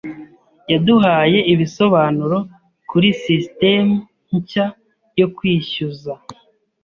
Yaduhaye ibisobanuro kuri sisitemu nshya yo kwishyuza.